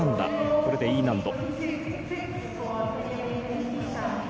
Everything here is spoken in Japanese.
これでＥ難度。